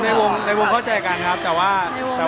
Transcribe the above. หมายถึงว่าความดังของผมแล้วทำให้เพื่อนมีผลกระทบอย่างนี้หรอค่ะ